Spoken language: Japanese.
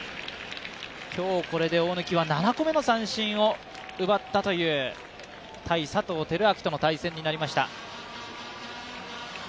今日これで大貫は７個目の三振を奪ったという対佐藤輝明との対戦になりました。